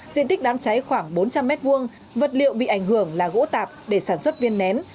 diện tích đám cháy khoảng bốn trăm linh m hai vật liệu bị ảnh hưởng là gỗ tạp để sản xuất viên nén